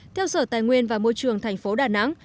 theo sở tài nguyên và môi trường thành phố đà nẵng